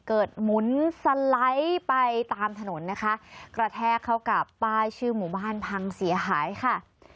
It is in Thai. หมุนสไลด์ไปตามถนนนะคะกระแทกเข้ากับป้ายชื่อหมู่บ้านพังเสียหายค่ะ